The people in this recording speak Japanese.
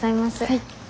はい。